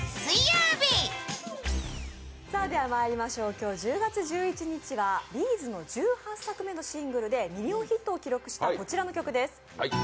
今日１０月１１日はＢ’ｚの１８作目のシングルでミリオンヒットを記録したこちらの曲です。